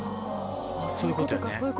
あそういうことか。